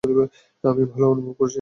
আমি ভালো অনুভব করছি।